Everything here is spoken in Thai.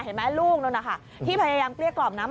เห็นไหมลูกนู้นนะคะที่พยายามเกลี้ยกล่อมนะ